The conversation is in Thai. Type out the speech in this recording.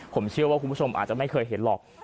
ผมเชื่อว่าคุณผู้ชมอาจจะไม่เคยเห็นหรอก